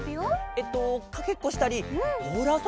えっとかけっこしたりボールあそびしたり。